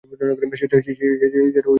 সেটাও জানি না আমি!